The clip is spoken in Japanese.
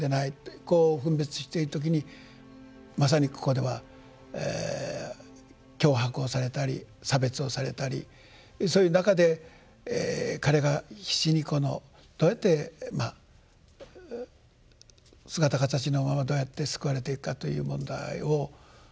こう分別している時にまさにここでは脅迫をされたり差別をされたりそういう中で彼が必死にこのどうやってまあ姿形のままどうやって救われていくかという問題を。